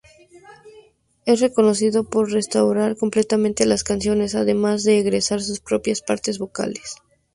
Es reconocido por reestructurar completamente las canciones además de agregar sus propias partes vocales.